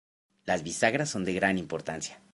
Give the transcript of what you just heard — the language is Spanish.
Las bisagras son de gran importancia.